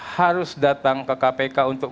harus datang ke kpk untuk